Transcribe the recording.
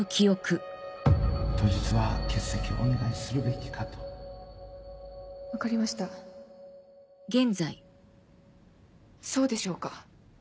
当日は欠席をお願いするべきかと分かりましたそうでしょうか？